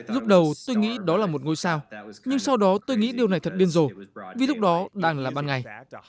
lúc đầu tôi nghĩ đó là một ngôi sao nhưng sau đó tôi nghĩ điều này thật điên rồ vì lúc đó đang là ban ngày